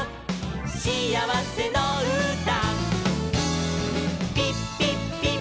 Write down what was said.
しあわせのうた」